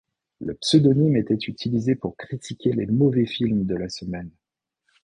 Le pseudonyme était utilisé pour critiquer les mauvais films de la semaine.